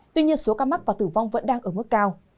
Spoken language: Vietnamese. tuy nhiên số ca mắc và tử vong vẫn đang ở mức cao